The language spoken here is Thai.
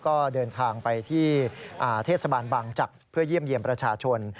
ก็เดินทางไปที่เทศบาลบางจักรเพื่อเยี่ยมเยี่ยมประชาชน